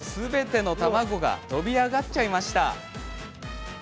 すべての卵が跳び上がっちゃいました。